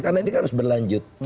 karena ini kan harus berlanjut